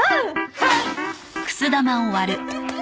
はい！